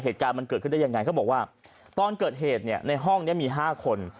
ตอนเกิดเหตุในห้องนี้มี๕คน